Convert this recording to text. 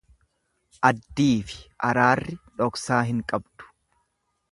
Addiifi araarri dhoksaa hin qabdu.